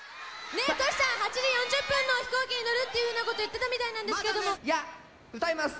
トシちゃん、８時４０分の飛行機に乗るっていうふうなこと言ってたみたいなんいや、歌います。